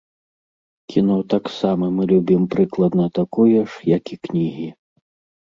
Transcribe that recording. Кіно таксама мы любім прыкладна такое ж, як і кнігі.